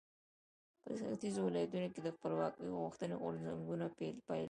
په ختیځو ولایاتو کې د خپلواکۍ غوښتنې غورځنګونو پیل شو.